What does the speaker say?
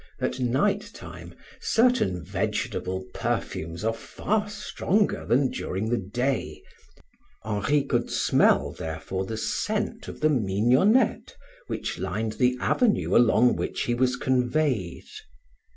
At night time certain vegetable perfumes are far stronger than during the day; Henri could smell, therefore, the scent of the mignonette which lined the avenue along which he was conveyed.